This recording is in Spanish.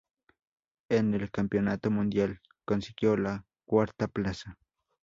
En el campeonato mundial consiguió la cuarta plaza.